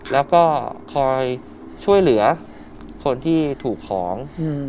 แล้วก็คอยช่วยเหลือคนที่ถูกของ